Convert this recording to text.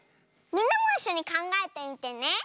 みんなもいっしょにかんがえてみてね。